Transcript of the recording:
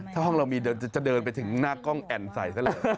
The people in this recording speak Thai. ถ้าห้องเรามีเดี๋ยวจะเดินไปถึงหน้ากล้องแอ่นใส่ซะเลย